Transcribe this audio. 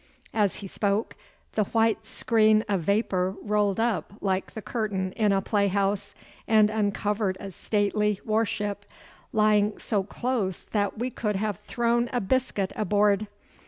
As he spoke, the white screen of vapour rolled up like the curtain in a playhouse, and uncovered a stately war ship, lying so close that we could have thrown a biscuit aboard.